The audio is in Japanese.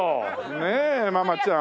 ねえママちゃん。